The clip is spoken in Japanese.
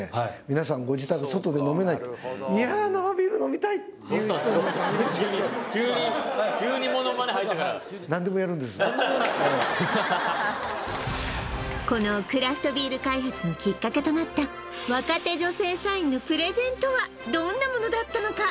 皆さんご自宅っていう人のためにもこのクラフトビール開発のきっかけとなった若手女性社員のプレゼンとはどんなものだったのか？